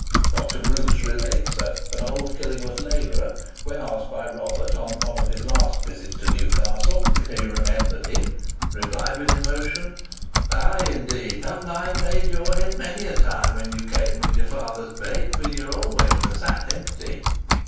Dr. Bruce relates that an old Killingworth labourer, when asked by Robert, on one of his last visits to Newcastle, if he remembered him, replied with emotion, "Ay, indeed! Haven't I paid your head many a time when you came with your father's bait, for you were always a sad hempy?"